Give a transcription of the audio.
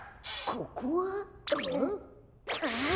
ここは？